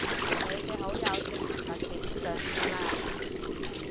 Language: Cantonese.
你嘅好友正字特警上線喇